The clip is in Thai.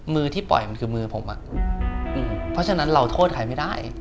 มือที่ปล่อยมันคือมือผมเพราะฉะนั้นเราโทษใครไม่ได้